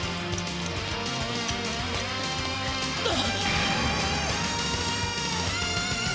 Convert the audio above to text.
あっ！